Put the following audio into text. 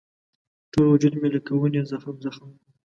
ټول وجود مې لکه ونې زخم زخم دی.